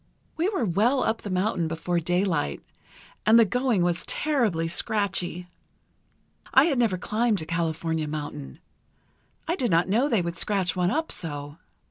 "We were well up the mountain before daylight, and the going was terribly scratchy. I had never climbed a California mountain. I did not know they would scratch one up so.